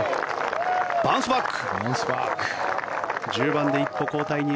バウンスバック！